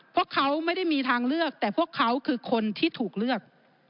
พวกเขาไม่ได้มีทางเลือกแต่พวกเขาคือคนที่ถูกเลือก